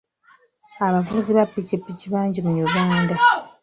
Abavuzi ba ppikippiki bangi mu Uganda.